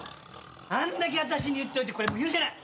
あんだけ私に言っといてこれもう許せない。